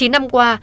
chín năm qua